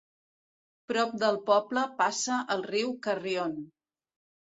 Prop del poble passa el riu Carrión.